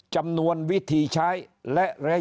จำนวนวิธีใช้และเรียบร้อย